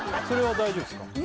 それは大丈夫ですか？